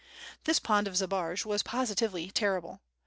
This pond of Zbaraj was positively terrible.